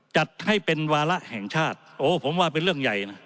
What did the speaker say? จัดให้เป็นวาระแห่งชาติโอ้ผมว่าเป็นเรื่องใหญ่นะ